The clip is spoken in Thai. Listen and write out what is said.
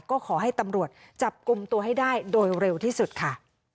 ก็ขอให้ตำรวจจับกลุ่มตัวให้ได้โดยเร็วที่สุดค่ะ